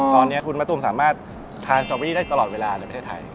ตอนนี้คุณมะตูมสามารถทานสตอรี่ได้ตลอดเวลาในประเทศไทย